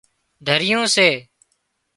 دريون سي